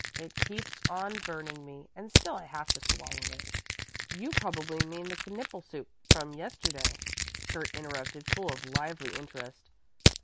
It keeps on burning me, and still I have to swallow it." "You probably mean the Knippel soup from yesterday?" Kurt interrupted, full of lively interest.